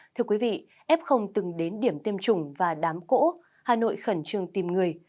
thưa quý vị f từng đến điểm tiêm chủng và đám cỗ hà nội khẩn trương tìm người